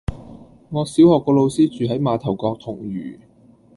我小學個老師住喺馬頭角銅璵